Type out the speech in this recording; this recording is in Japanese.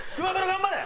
頑張れ！